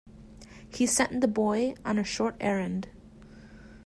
He sent the boy on a short errand.